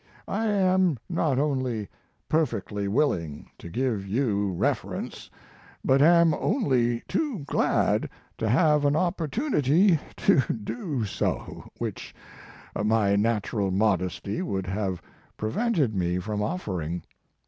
I am not only perfectly willing to ^give you His Life and Work. 105 reference, but am only too glad to have an opportunity to do so, which iny natural modesty would have prevented me from offering.